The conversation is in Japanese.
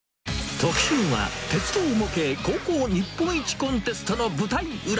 特集は、鉄道模型高校日本一コンテストの舞台裏。